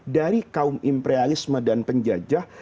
dari kaum imperialisme dan penjajah